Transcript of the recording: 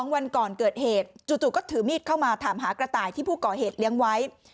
วันก่อนเกิดเหตุจู่ก็ถือมีดเข้ามาถามหากระต่ายที่ผู้ก่อเหตุเลี้ยงไว้